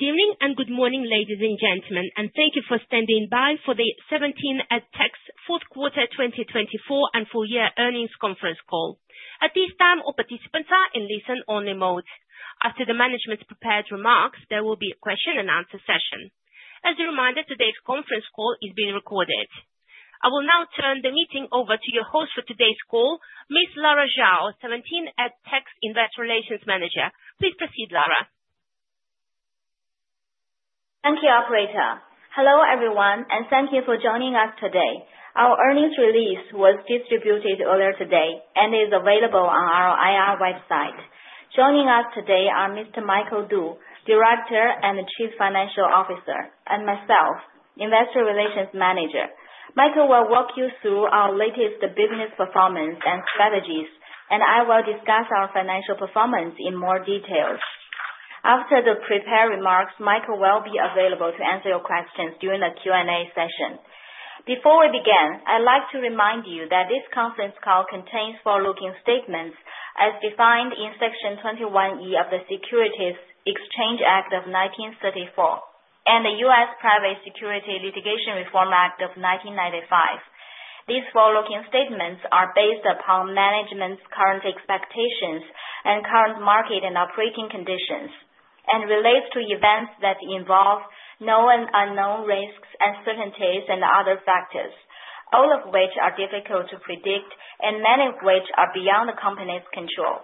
Good evening and good morning, ladies and gentlemen, and thank you for standing by for the 17 Education & Technology Group's fourth quarter 2024 and full year earnings conference call. At this time, all participants are in listen-only mode. After the management's prepared remarks, there will be a question-and-answer session. As a reminder, today's conference call is being recorded. I will now turn the meeting over to your host for today's call, Ms. Lara Zhao, 17 Education & Technology Group's Investor Relations Manager. Please proceed, Lara. Thank you, Operator. Hello everyone, and thank you for joining us today. Our earnings release was distributed earlier today and is available on our IR website. Joining us today are Mr. Michael Du, Director and Chief Financial Officer, and myself, Investor Relations Manager. Michael will walk you through our latest business performance and strategies, and I will discuss our financial performance in more detail. After the prepared remarks, Michael will be available to answer your questions during the Q&A session. Before we begin, I'd like to remind you that this conference call contains forward-looking statements as defined in Section 21E of the Securities Exchange Act of 1934 and the U.S. Private Securities Litigation Reform Act of 1995. These forward-looking statements are based upon management's current expectations and current market and operating conditions, and relate to events that involve known and unknown risks, uncertainties, and other factors, all of which are difficult to predict, and many of which are beyond the company's control.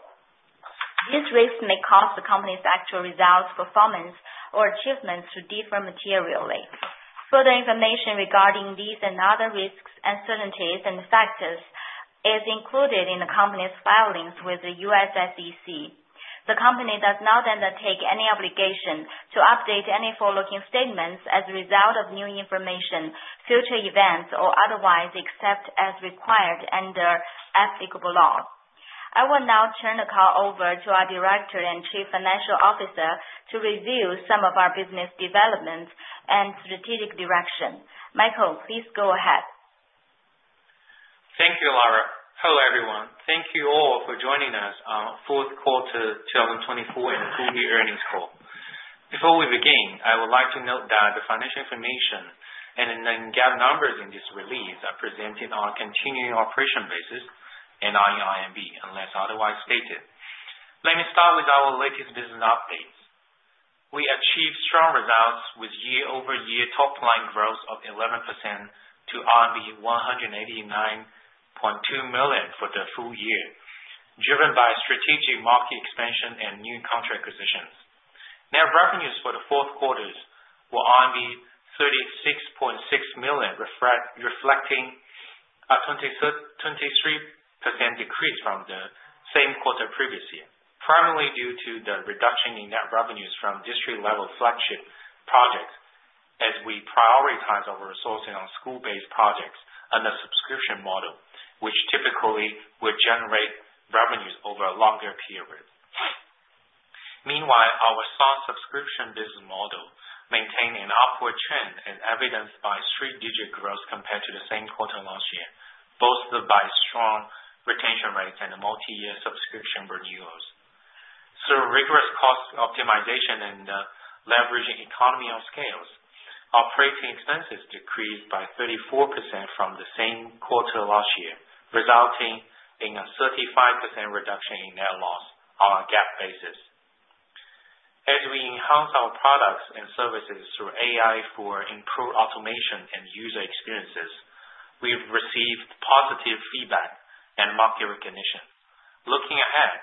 These risks may cause the company's actual results, performance, or achievements to differ materially. Further information regarding these and other risks, uncertainties, and factors is included in the company's filings with the U.S. SEC. The company does not undertake any obligation to update any forward-looking statements as a result of new information, future events, or otherwise except as required under applicable law. I will now turn the call over to our Director and Chief Financial Officer to review some of our business developments and strategic direction. Michael, please go ahead. Thank you, Lara. Hello everyone. Thank you all for joining us on fourth quarter 2024 and full year earnings call. Before we begin, I would like to note that the financial information and the numbers in this release are presented on a continuing operation basis and in RMB, unless otherwise stated. Let me start with our latest business updates. We achieved strong results with year-over-year top-line growth of 11% to RMB 189.2 million for the full year, driven by strategic market expansion and new contract acquisitions. Net revenues for the fourth quarter were 36.6 million, reflecting a 23% decrease from the same quarter previous year, primarily due to the reduction in net revenues from district-level flagship projects as we prioritize our resources on school-based projects under subscription model, which typically would generate revenues over a longer period. Meanwhile, our SaaS subscription business model maintained an upward trend and evidenced by strong digit growth compared to the same quarter last year, bolstered by strong retention rates and multi-year subscription renewals. Through rigorous cost optimization and leveraging economies of scale, operating expenses decreased by 34% from the same quarter last year, resulting in a 35% reduction in net loss on a GAAP basis. As we enhance our products and services through AI for improved automation and user experiences, we've received positive feedback and market recognition. Looking ahead,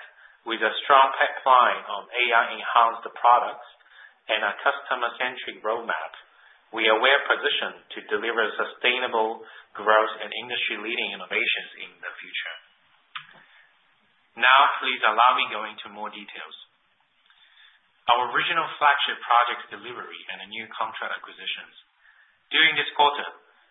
with a strong pipeline of AI-enhanced products and a customer-centric roadmap, we are well-positioned to deliver sustainable growth and industry-leading innovations in the future. Now, please allow me to go into more details. Our regional flagship project delivery and the new contract acquisitions. During this quarter,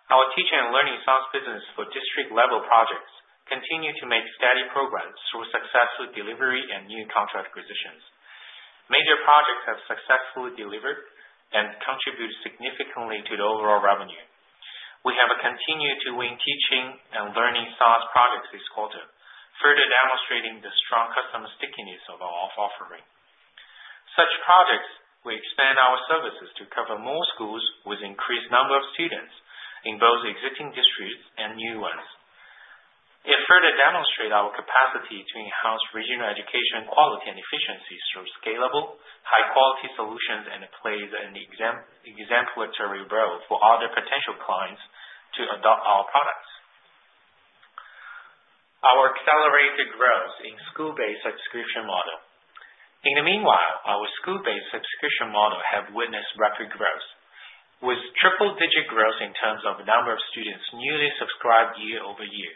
our teaching and learning SaaS business for district-level projects continued to make steady progress through successful delivery and new contract acquisitions. Major projects have successfully delivered and contributed significantly to the overall revenue. We have continued to win teaching and learning SaaS projects this quarter, further demonstrating the strong customer stickiness of our offering. Such projects, we expand our services to cover more schools with an increased number of students in both existing districts and new ones. It further demonstrates our capacity to enhance regional education quality and efficiency through scalable, high-quality solutions and plays an exemplary role for other potential clients to adopt our products. Our accelerated growth in school-based subscription model. In the meanwhile, our school-based subscription model has witnessed rapid growth, with triple-digit growth in terms of the number of students newly subscribed year over year.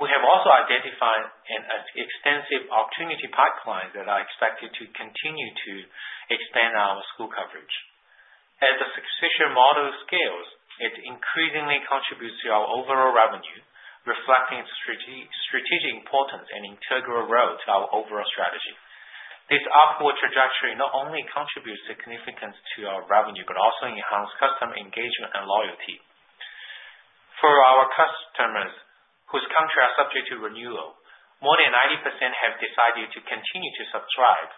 We have also identified an extensive opportunity pipeline that is expected to continue to expand our school coverage. As the subscription model scales, it increasingly contributes to our overall revenue, reflecting its strategic importance and integral role to our overall strategy. This upward trajectory not only contributes significantly to our revenue but also enhances customer engagement and loyalty. For our customers whose contracts are subject to renewal, more than 90% have decided to continue to subscribe,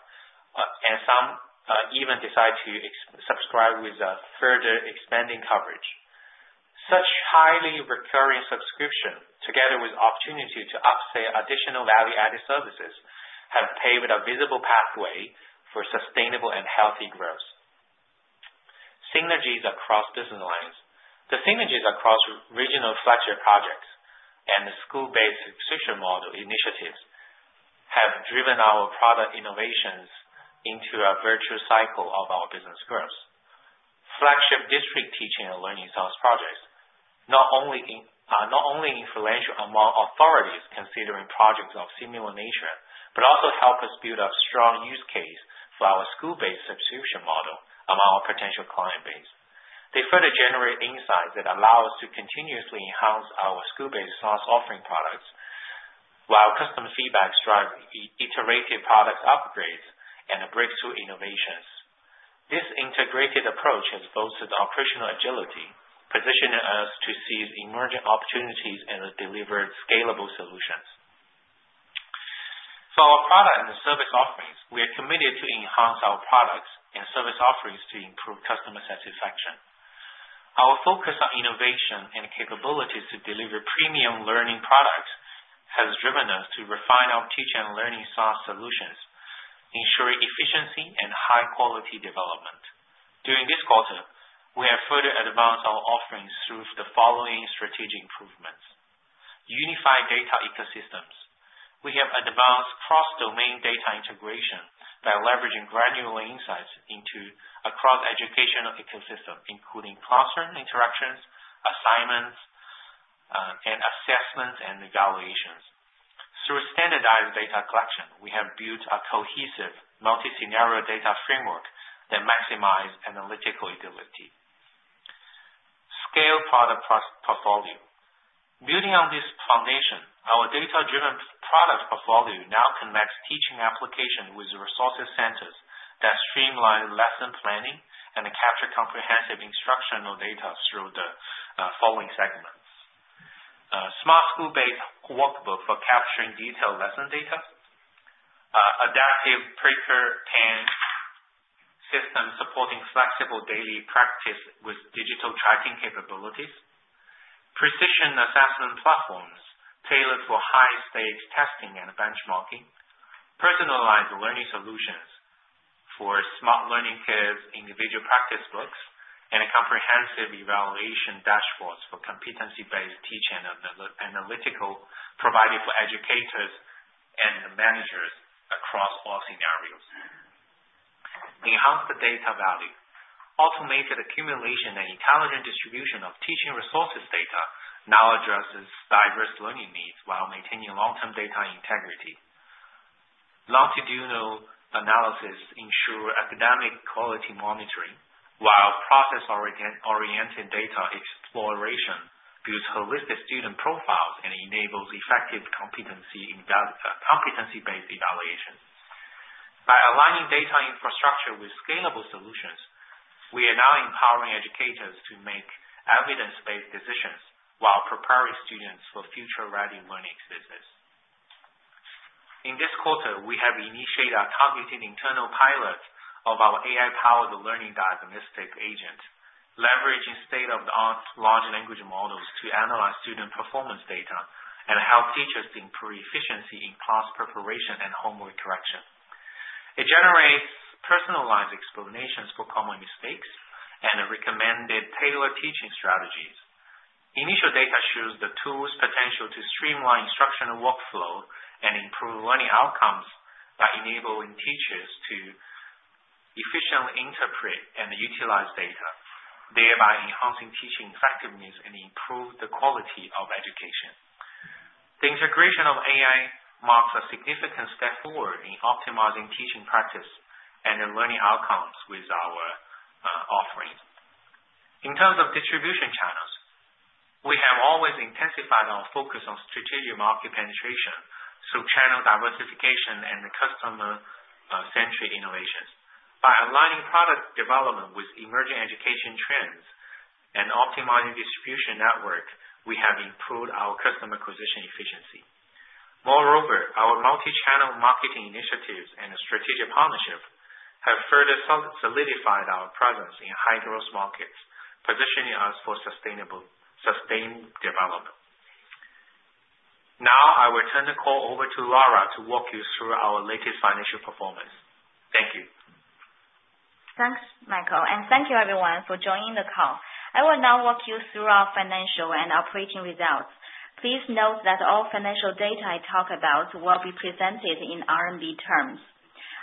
and some even decide to subscribe with further expanding coverage. Such highly recurring subscriptions, together with the opportunity to upsell additional value-added services, have paved a visible pathway for sustainable and healthy growth. Synergies across business lines. The synergies across regional flagship projects and the school-based subscription model initiatives have driven our product innovations into a virtuous cycle of our business growth. Flagship district teaching and learning SaaS projects are not only influential among authorities considering projects of similar nature, but also help us build a strong use case for our school-based subscription model among our potential client base. They further generate insights that allow us to continuously enhance our school-based SaaS offering products, while customer feedback drives iterative product upgrades and breakthrough innovations. This integrated approach has bolstered operational agility, positioning us to seize emerging opportunities and deliver scalable solutions. For our product and service offerings, we are committed to enhancing our products and service offerings to improve customer satisfaction. Our focus on innovation and capabilities to deliver premium learning products has driven us to refine our teaching and learning SaaS solutions, ensuring efficiency and high-quality development. During this quarter, we have further advanced our offerings through the following strategic improvements: Unified data ecosystems. We have advanced cross-domain data integration by leveraging granular insights into a cross-educational ecosystem, including classroom interactions, assignments, and assessments and evaluations. Through standardized data collection, we have built a cohesive multi-scenario data framework that maximizes analytical utility. Scaled product portfolio. Building on this foundation, our data-driven product portfolio now connects teaching applications with resource centers that streamline lesSaaS planning and capture comprehensive instructional data through the following segments: Smart school-based workbook for capturing detailed lesSaaS data, adaptive paper-based systems supporting flexible daily practice with digital tracking capabilities, precision assessment platforms tailored for high-stakes testing and benchmarking, perSaaSalized learning solutions for smart learning paths, individual practice books, and comprehensive evaluation dashboards for competency-based teaching and analytical provided for educators and managers across all scenarios. Enhanced data value. Automated accumulation and intelligent distribution of teaching resources data now addresses diverse learning needs while maintaining long-term data integrity. Longitudinal analysis ensures academic quality monitoring, while process-oriented data exploration builds holistic student profiles and enables effective competency-based evaluation. By aligning data infrastructure with scalable solutions, we are now empowering educators to make evidence-based decisions while preparing students for future-ready learning business. In this quarter, we have initiated a targeted internal pilot of our AI-powered learning diagnostic agent, leveraging state-of-the-art large language models to analyze student performance data and help teachers improve efficiency in class preparation and homework correction. It generates perSaaSalized explanations for common mistakes and recommended tailored teaching strategies. Initial data shows the tool's potential to streamline instructional workflows and improve learning outcomes by enabling teachers to efficiently interpret and utilize data, thereby enhancing teaching effectiveness and improving the quality of education. The integration of AI marks a significant step forward in optimizing teaching practice and learning outcomes with our offerings. In terms of distribution channels, we have always intensified our focus on strategic market penetration through channel diversification and customer-centric innovations. By aligning product development with emerging education trends and optimizing distribution networks, we have improved our customer acquisition efficiency. Moreover, our multi-channel marketing initiatives and strategic partnerships have further solidified our presence in high-growth markets, positioning us for sustained development. Now, I will turn the call over to Lara to walk you through our latest financial performance. Thank you. Thanks, Michael, and thank you everyone for joining the call. I will now walk you through our financial and operating results. Please note that all financial data I talk about will be presented in RMB terms.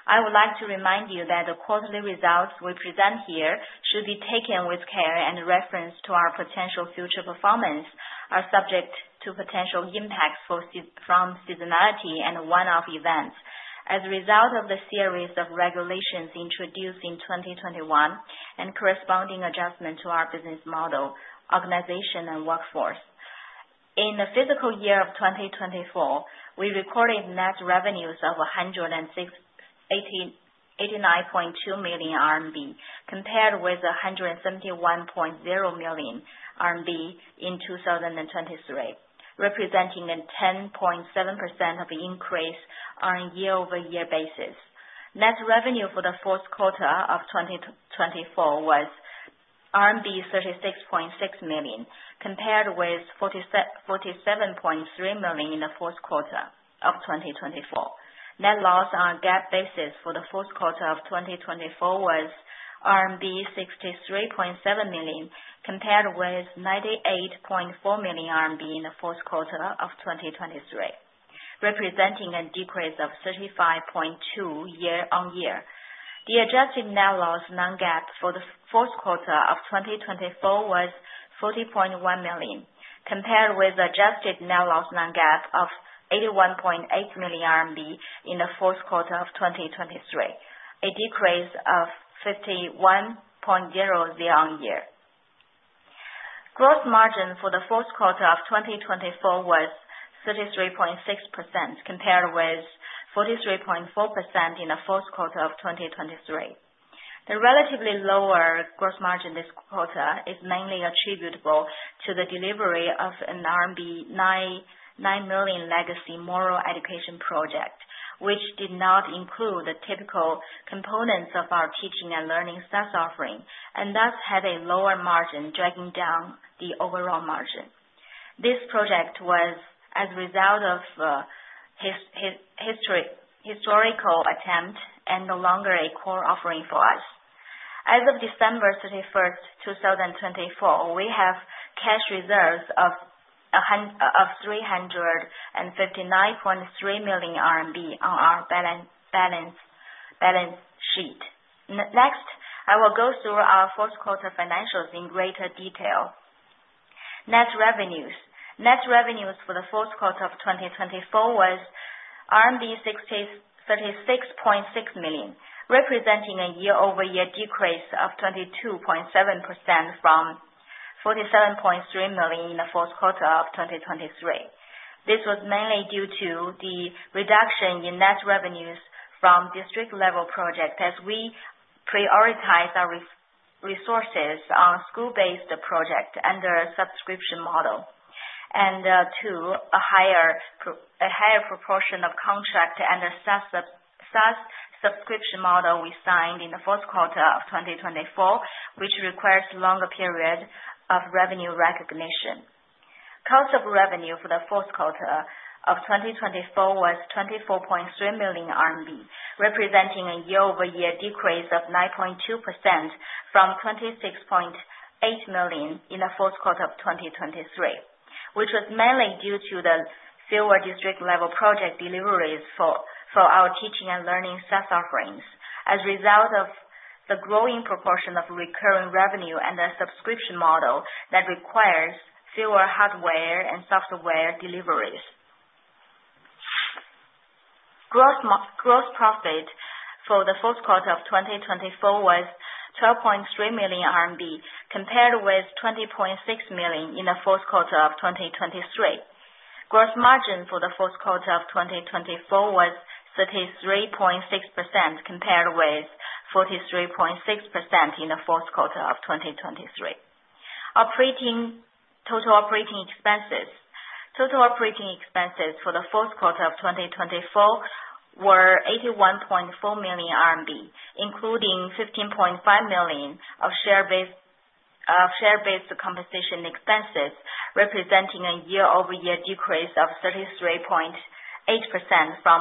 I would like to remind you that the quarterly results we present here should be taken with care and reference to our potential future performance, subject to potential impacts from seaSaaSality and one-off events. As a result of the series of regulations introduced in 2021 and corresponding adjustments to our business model, organization, and workforce, in the fiscal year of 2024, we recorded net revenues of 189.2 million RMB, compared with 171.0 million RMB in 2023, representing a 10.7% increase on a year-over-year basis. Net revenue for the fourth quarter of 2024 was RMB 36.6 million, compared with 47.3 million in the fourth quarter of 2023. Net loss on a GAAP basis for the fourth quarter of 2024 was RMB 63.7 million, compared with 98.4 million RMB in the fourth quarter of 2023, representing a decrease of 35.2% year-on-year. The adjusted net loss non-GAAP for the fourth quarter of 2024 was 40.1 million, compared with the adjusted net loss non-GAAP of 81.8 million RMB in the fourth quarter of 2023, a decrease of 51.0% year-on-year. Gross margin for the fourth quarter of 2024 was 33.6%, compared with 43.4% in the fourth quarter of 2023. The relatively lower gross margin this quarter is mainly attributable to the delivery of an 9 million legacy moral education project, which did not include the typical components of our Teaching and Learning SaaS offering, and thus had a lower margin, dragging down the overall margin. This project was, as a result of historical attempt, no longer a core offering for us. As of December 31, 2024, we have cash reserves of 359.3 million RMB on our balance sheet. Next, I will go through our fourth quarter financials in greater detail. Net revenues. Net revenues for the fourth quarter of 2024 was RMB 36.6 million, representing a year-over-year decrease of 22.7% from 47.3 million in the fourth quarter of 2023. This was mainly due to the reduction in net revenues from district-level projects as we prioritized our resources on a school-based project under a subscription model. Two, a higher proportion of contract and SaaS subscription model we signed in the fourth quarter of 2024, which requires a longer period of revenue recognition. Cost of revenue for the fourth quarter of 2024 was 24.3 million RMB, representing a year-over-year decrease of 9.2% from 26.8 million in the fourth quarter of 2023, which was mainly due to the fewer district-level project deliveries for our teaching and learning SaaS offerings, as a result of the growing proportion of recurring revenue and the subscription model that requires fewer hardware and software deliveries. Gross profit for the fourth quarter of 2024 was 12.3 million RMB, compared with 20.6 million in the fourth quarter of 2023. Gross margin for the fourth quarter of 2024 was 33.6%, compared with 43.6% in the fourth quarter of 2023. Total operating expenses. Total operating expenses for the fourth quarter of 2024 were 81.4 million RMB, including 15.5 million of share-based compensation expenses, representing a year-over-year decrease of 33.8% from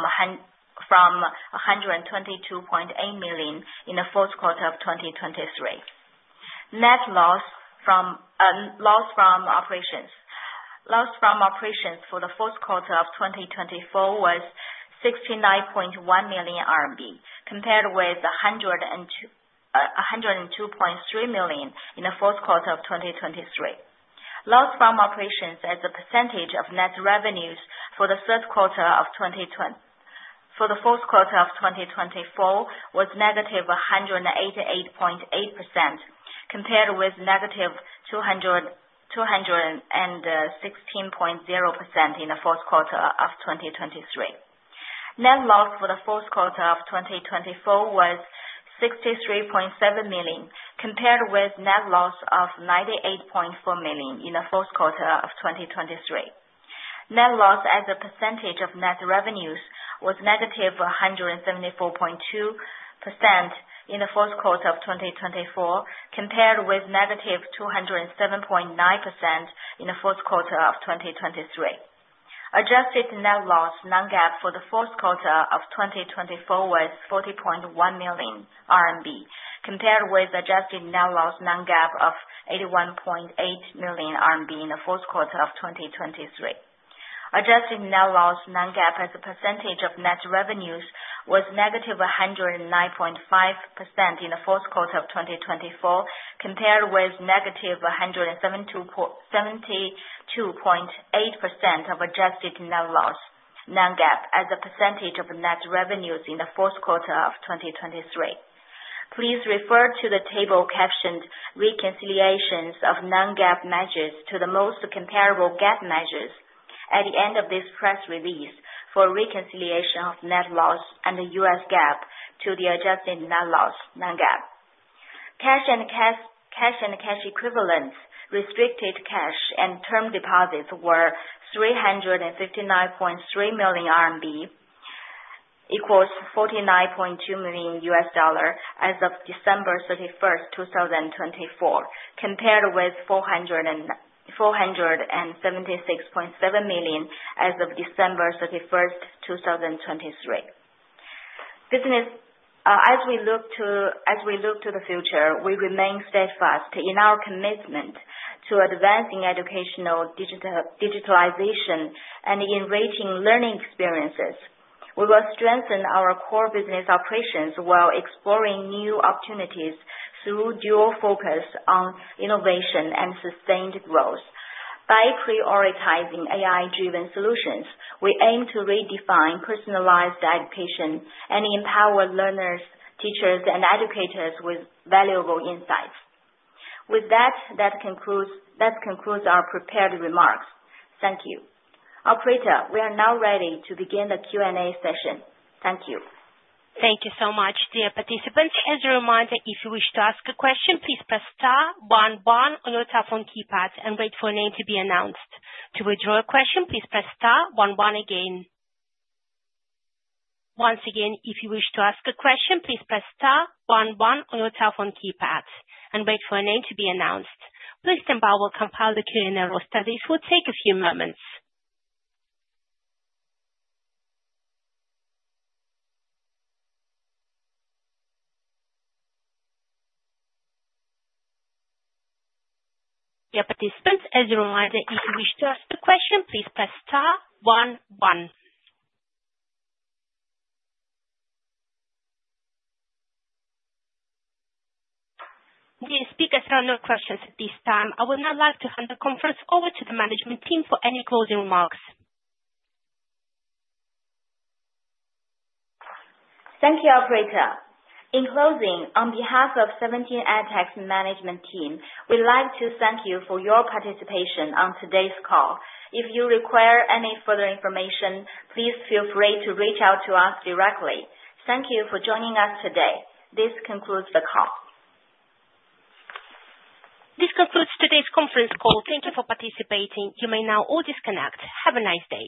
122.8 million in the fourth quarter of 2023. Net loss from operations. Loss from operations for the fourth quarter of 2024 was 69.1 million RMB, compared with 102.3 million in the fourth quarter of 2023. Loss from operations as a percentage of net revenues for the fourth quarter of 2024 was -188.8%, compared with -216.0% in the fourth quarter of 2023. Net loss for the fourth quarter of 2024 was 63.7 million, compared with net loss of 98.4 million in the fourth quarter of 2023. Net loss as a percentage of net revenues was -174.2% in the fourth quarter of 2024, compared with -207.9% in the fourth quarter of 2023. Adjusted net loss non-GAAP for the fourth quarter of 2024 was 40.1 million RMB, compared with adjusted net loss non-GAAP of 81.8 million RMB in the fourth quarter of 2023. Adjusted net loss non-GAAP as a percentage of net revenues was negative 109.5% in the fourth quarter of 2024, compared with negative 72.8% of adjusted net loss non-GAAP as a percentage of net revenues in the fourth quarter of 2023. Please refer to the table captioned "Reconciliations of Non-GAAP Measures" to the most comparable GAAP measures at the end of this press release for reconciliation of net loss and the U.S. GAAP to the adjusted net loss non-GAAP. Cash and cash equivalents, restricted cash and term deposits were 359.3 million RMB, equals $49.2 million as of December 31, 2024, compared with RMB 476.7 million as of December 31, 2023. As we look to the future, we remain steadfast in our commitment to advancing educational digitalization and enriching learning experiences. We will strengthen our core business operations while exploring new opportunities through dual focus on innovation and sustained growth. By prioritizing AI-driven solutions, we aim to redefine perSaaSalized education and empower learners, teachers, and educators with valuable insights. With that, that concludes our prepared remarks. Thank you. Operator, we are now ready to begin the Q&A session. Thank you. Thank you so much, dear participants. As a reminder, if you wish to ask a question, please press star, one one on your telephone keypad, and wait for a name to be announced. To withdraw a question, please press star, one one again. Once again, if you wish to ask a question, please press star, one one on your telephone keypad, and wait for a name to be announced. Please stand by while we compile the Q&A roll, as this will take a few moments. Dear participants, as a reminder, if you wish to ask a question, please press star, one one. Dear speakers, there are no questions at this time. I would now like to hand the conference over to the management team for any closing remarks. Thank you, Operator. In closing, on behalf of 17 EdTech's management team, we'd like to thank you for your participation on today's call. If you require any further information, please feel free to reach out to us directly. Thank you for joining us today. This concludes the call. This concludes today's conference call. Thank you for participating. You may now all disconnect. Have a nice day.